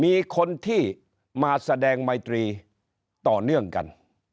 มีคนที่มาแสดงไมตรีต่อเนื่องกัน